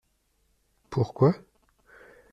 Pourquoi ?